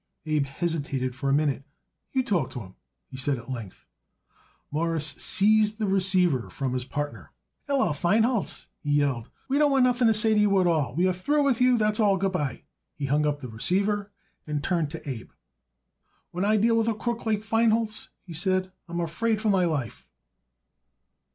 Abe hesitated for a minute. "You talk to him," he said at length. Morris seized the receiver from his partner. "Hallo, Feinholz," he yelled. "We don't want nothing to say to you at all. We are through with you. That's all. Good by." He hung up the receiver and turned to Abe. "When I deal with a crook like Feinholz," he said, "I'm afraid for my life."